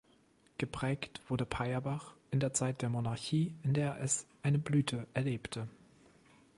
Geprägt wurde Payerbach in der Zeit der Monarchie, in der es eine Blüte erlebte.